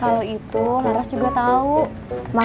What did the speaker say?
kalau itu laras juga tau maksudnya di tukang bakso yang sebelah mana